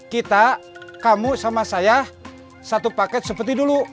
kita kamu sama saya satu paket seperti dulu